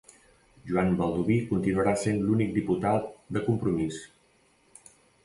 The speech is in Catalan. Joan Baldoví continuarà sent l'únic diputat de Compromís